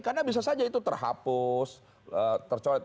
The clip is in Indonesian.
karena bisa saja itu terhapus tercolot